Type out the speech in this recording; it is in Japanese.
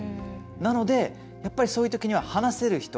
なので、そういうときには話せる人。